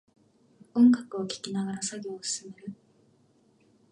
音楽を聴きながら作業を進める